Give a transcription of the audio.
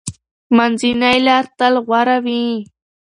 منځنۍ لار تل غوره وي.